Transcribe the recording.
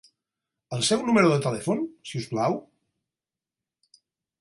El seu número de telèfon, si us plau?